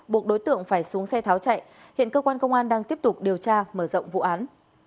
buộc đối tượng phải xuống xe tháo chạy hiện cơ quan công an đang tiếp tục điều tra mở rộng vụ án